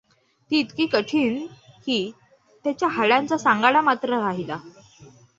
ती इतकी कठीण की, त्याच्या हाडांचा सांगाडा मात्र राहिला.